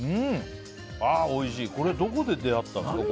これ、どこで出会ったんですか？